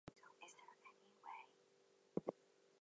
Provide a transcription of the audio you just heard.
This inscription is in a Cheltanham Bold font.